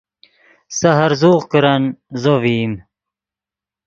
سے ہرزوغ کرن زو ڤئیم